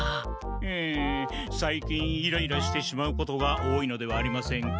ふむさいきんイライラしてしまうことが多いのではありませんか？